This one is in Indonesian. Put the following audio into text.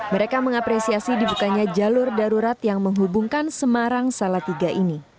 mereka mengapresiasi dibukanya jalur darurat yang menghubungkan semarang salatiga ini